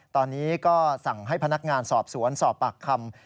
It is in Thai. ตอนนี้ก็สั่งให้พนักงานสอบสวนสอบปากคำ